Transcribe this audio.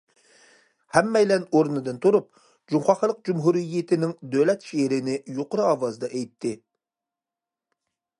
ھەممەيلەن ئورنىدىن تۇرۇپ، جۇڭخۇا خەلق جۇمھۇرىيىتىنىڭ دۆلەت شېئىرىنى يۇقىرى ئاۋازدا ئېيتتى.